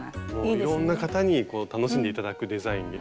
いろんな方に楽しんで頂くデザインに。